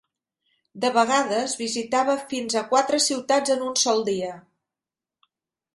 De vegades, visitava fins a quatre ciutats en un sol dia.